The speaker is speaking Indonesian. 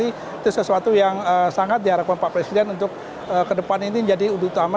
itu sesuatu yang sangat diharapkan pak presiden untuk ke depan ini menjadi utama